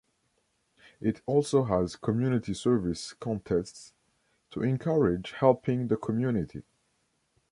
It also has community service contests to encourage helping the community.